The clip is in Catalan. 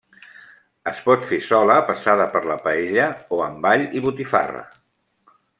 Es pot fer sola passada per la paella o amb all i botifarra.